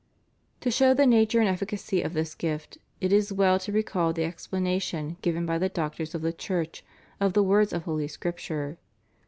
To show the nature and efficacy of this gift it is well to recall the explanation given by the Doctors of the Church of the words of Holy Scripture.